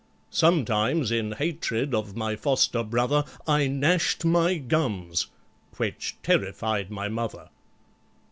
Sometimes in hatred of my foster brother, I gnashed my gums—which terrified my mother.